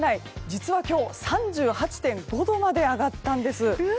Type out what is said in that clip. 実は今日、３８．５度まで上がったんです。